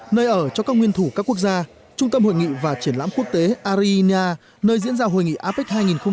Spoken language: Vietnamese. nơi ở cho các nguyên thủ các quốc gia trung tâm hội nghị và triển lãm quốc tế argenia nơi diễn ra hội nghị apec hai nghìn hai mươi